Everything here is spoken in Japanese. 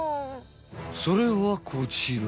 それはこちら！